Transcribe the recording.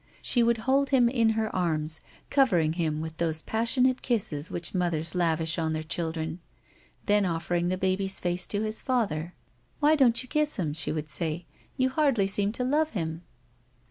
She would hold him in her arms covering him with those passionate kisses which mothers lavish on their children, then offering the baby's face to his father : "Why don't you kiss him?" she would say. "You hardly seem to love him."